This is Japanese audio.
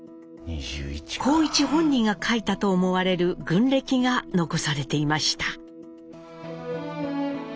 幸一本人が書いたと思われる軍歴が残されていました。